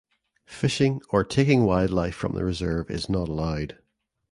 Fishing or taking wildlife from the reserve is not allowed.